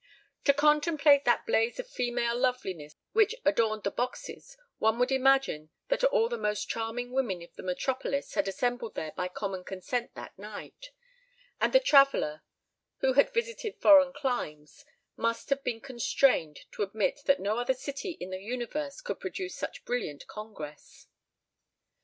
To contemplate that blaze of female loveliness which adorned the boxes, one would imagine that all the most charming women of the metropolis had assembled there by common consent that night; and the traveller, who had visited foreign climes, must have been constrained to admit that no other city in the universe could produce such a brilliant congress.